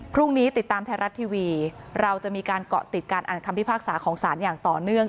พรุ่งนี้ติดตามไทยรัฐทีวีเราจะมีการเกาะติดการอ่านคำพิพากษาของศาลอย่างต่อเนื่อง